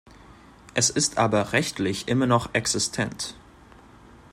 Es ist aber rechtlich immer noch existent.